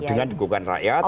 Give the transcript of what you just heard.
dengan dukungan rakyat